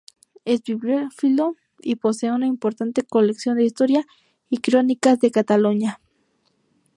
Es bibliófilo y posee una importante colección de historia y crónicas de Cataluña.